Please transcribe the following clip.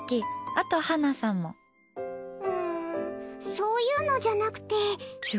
そういうのじゃなくて。